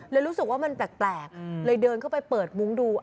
รู้สึกว่ามันแปลกเลยเดินเข้าไปเปิดมุ้งดู